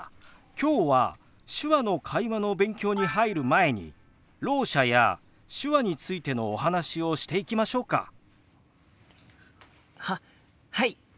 今日は手話の会話の勉強に入る前にろう者や手話についてのお話をしていきましょうか。ははい！